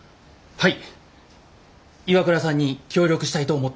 はい。